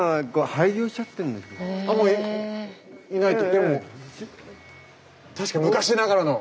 でも確かに昔ながらの。